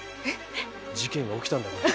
事件が起きたんだ。